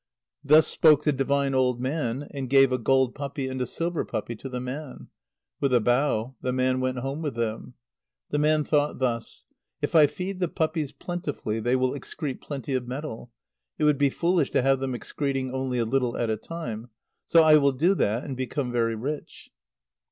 Thus spoke the divine old man, and gave a gold puppy and a silver puppy to the man. With a bow, the man went home with them. The man thought thus: "If I feed the puppies plentifully, they will excrete plenty of metal. It would be foolish to have them excreting only a little at a time. So I will do that, and become very rich."